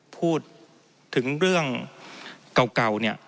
พูดถึงเรื่องเก่าเนี่ย